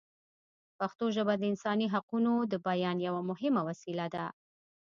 پښتو ژبه د انساني حقونو د بیان یوه مهمه وسیله ده.